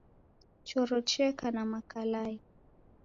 Choro cheka na makalai